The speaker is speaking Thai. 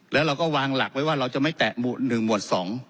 แล้วเราก็วางหลักไว้ว่าเราจะไม่แตะ๑หมวด๒